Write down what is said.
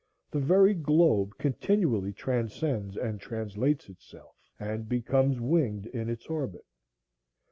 The very globe continually transcends and translates itself, and becomes winged in its orbit.